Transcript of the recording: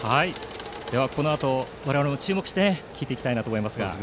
このあと我々も注目して聞いていきたいと思います。